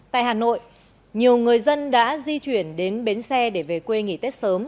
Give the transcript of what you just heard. tại hà nội nhiều người dân đã di chuyển đến bến xe để về quê nghỉ tết sớm